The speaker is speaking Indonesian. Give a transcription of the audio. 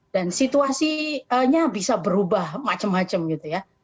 dan situasinya bisa berubah macam macam gitu ya